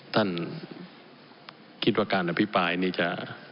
ท่านคิดว่าการอภิปรายนี้จะ